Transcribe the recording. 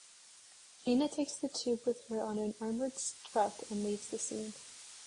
Gina takes the tube with her on an armored truck and leaves the scene.